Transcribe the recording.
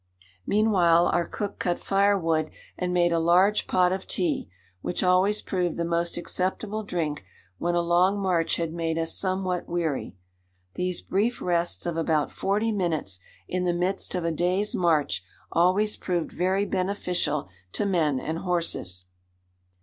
Meanwhile our cook cut firewood and made a large pot of tea, which always proved the most acceptable drink when a long march had made us somewhat weary. These brief rests of about forty minutes in the midst of a day's march always proved very beneficial to men and horses.